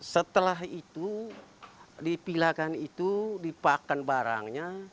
setelah itu dipilakan itu dipakkan barangnya